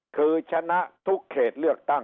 คือชนะทุกเขตเลือกตั้ง